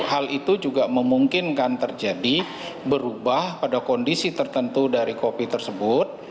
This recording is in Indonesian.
hal itu juga memungkinkan terjadi berubah pada kondisi tertentu dari kopi tersebut